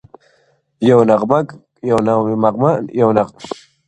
• یو نغمه ګره نقاسي کوومه ښه کوومه..